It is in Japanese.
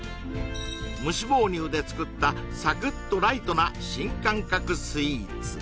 無脂肪乳で作ったサクッとライトな新感覚スイーツ